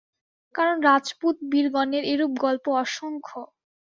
কারণ, রাজপুত-বীরগণের এরূপ গল্প অসংখ্য।